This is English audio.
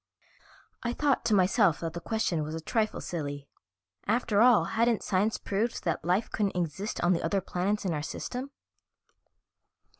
I thought to myself that the question was a trifle silly; after all, hadn't science proved that life couldn't exist on the other planets in our system?